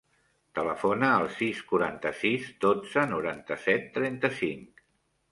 Telefona al sis, quaranta-sis, dotze, noranta-set, trenta-cinc.